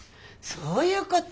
そういうこと？